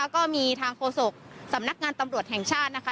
ก็ได้ออกมาเปิดเผยแล้วนะคะ